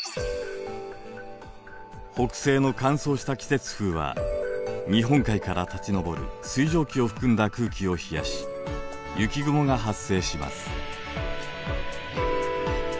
北西の乾燥した季節風は日本海から立ち上る水蒸気を含んだ空気を冷やし雪雲が発生します。